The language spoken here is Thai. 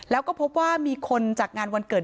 แล้วก็พบว่ามีคนจากงานวันเกิด